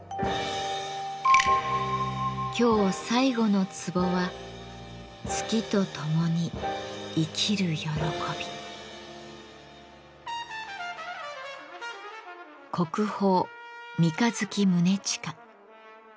今日最後の壺は国宝「三日月宗近」。